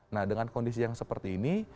nah dengan kondisi yang seperti ini